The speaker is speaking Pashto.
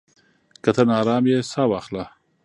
که ته ناارام يې، ساه واخله.